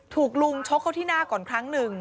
ถูกลุงชกเข้าที่หน้าก่อนครั้งหนึ่ง